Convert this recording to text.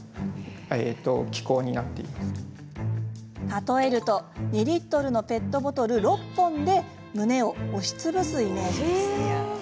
例えると、２リットルのペットボトル６本で胸を押しつぶすイメージです。